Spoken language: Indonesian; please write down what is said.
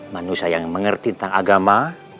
manusia yang mengerti tentang agama